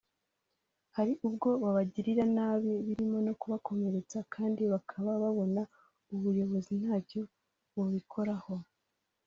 hari ubwo babagirira nabi birimo no kubakomeretsa kandi bakaba babona ubuyobozi ntacyo bubikoraho